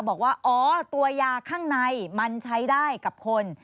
บอกว่าอ๋อตัวยาข้างในมันใช้ได้กับคน